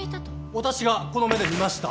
私がこの目で見ました。